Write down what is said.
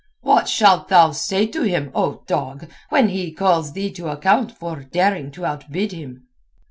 "What shalt thou say to him, O dog, when he calls thee to account for daring to outbid him."